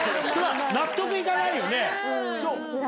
納得行かないよね。